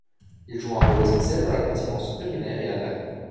Il joue un rôle essentiel dans la continence urinaire et anale.